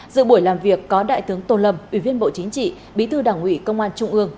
giữa buổi làm việc có đại tướng tô lâm ủy viên bộ chính trị bí thư đảng ủy công an trung ương